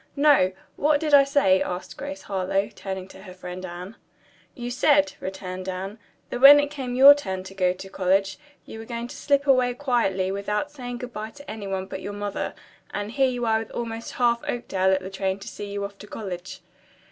"No, what did I say?" asked Grace Harlowe, turning to her friend Anne. "You said," returned Anne, "that when it came your turn to go to college you were going to slip away quietly without saying good bye to any one but your mother, and here you are with almost half Oakdale at the train to see you off to college."